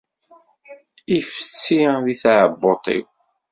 Ifetti di tɛebbuḍt-iw.